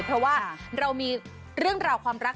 เพราะว่าเรามีเรื่องราวความรัก